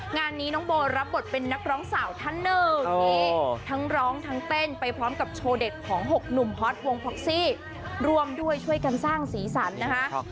งานนี้น้องโบรับบทเป็นนักร้องสาวท่านหนึ่งนี่ทั้งร้องทั้งเต้นไปพร้อมกับโชว์เด็ดของ๖หนุ่มฮอตวงพ็อกซี่ร่วมด้วยช่วยกันสร้างสีสันนะคะ